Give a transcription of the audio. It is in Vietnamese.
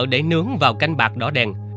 để nướng vào canh bạc đỏ đen